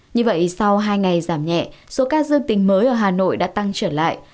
như vậy sau hai ngày giảm nhẹ số ca dương tình mới ở hà nội đã tăng trở lại